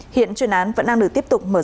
hiện chuyên án vẫn đang được tiếp tục mở rộng